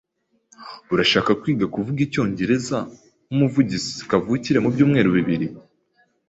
Urashaka kwiga kuvuga icyongereza nkumuvugizi kavukire mubyumweru bibiri?